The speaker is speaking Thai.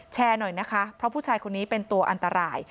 หน่อยนะคะเพราะผู้ชายคนนี้เป็นตัวอันตราย